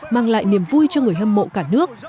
mang lại niềm vui cho người hâm mộ cả nước